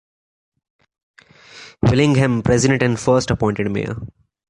Willingham, president and first appointed mayor.